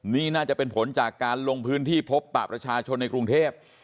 นี่น่าจะเป็นผลจากการลงพื้นที่พบปะประชาชนในกรุงเทพ